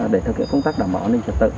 để thực hiện công tác đảm bảo an ninh trật tự